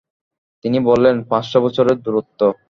তিনি বললেন, পাঁচশ বছরের দূরত্ব।